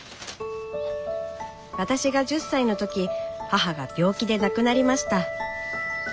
私が１０歳の時母が病気で亡くなりました。